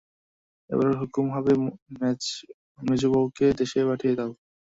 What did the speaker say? এবারে হুকুম হবে মেজোবউকে দেশে পাঠিয়ে দাও।